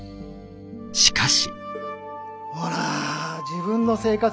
しかし。